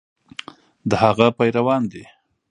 د هغه پیروان دي.